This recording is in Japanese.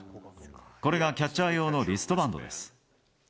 これがキャッチャー用のリストバンドです。